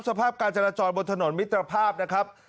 สภาพการจราจรบนถนนมิตรภาพนะครับ